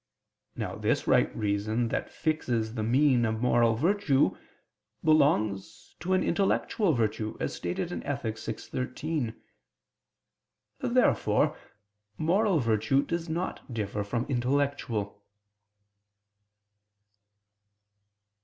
Now this right reason that fixes the mean of moral virtue, belongs to an intellectual virtue, as stated in Ethic. vi, 13. Therefore moral virtue does not differ from intellectual.